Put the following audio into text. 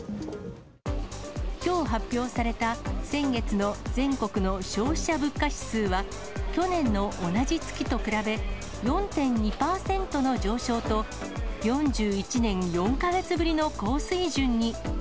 きょう発表された先月の全国の消費者物価指数は、去年の同じ月と比べ４．２％の上昇と、４１年４か月ぶりの高水準に。